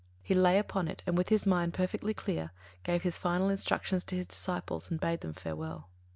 He lay upon it, and with his mind perfectly clear, gave his final instructions to his disciples and bade them farewell.